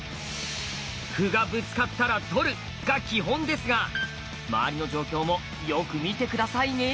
「歩がぶつかったら取る」が基本ですが周りの状況もよく見て下さいね！